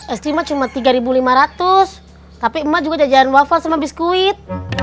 es krimnya cuma tiga lima ratus tapi emak juga jajan wafel sama biskuit